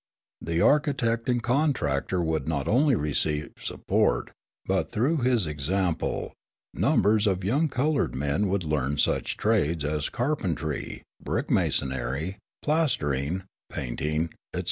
The architect and contractor would not only receive support, but, through his example, numbers of young coloured men would learn such trades as carpentry, brick masonry, plastering, painting, etc.